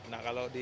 nah kalau di